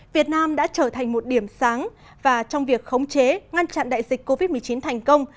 việt nam đã trở thành một điểm sáng và trong việc khống chế ngăn chặn đại dịch covid một mươi chín thành công